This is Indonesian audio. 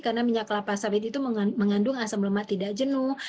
karena minyak kelapa sawit itu mengandung asam lemak tidak jenuh